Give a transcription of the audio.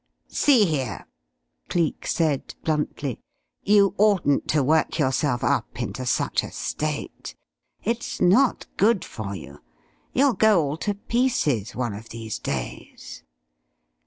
"See here," Cleek said, bluntly, "you oughtn't to work yourself up into such a state. It's not good for you; you'll go all to pieces one of these days.